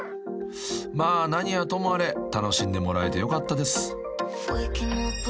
［まあ何はともあれ楽しんでもらえてよかったです］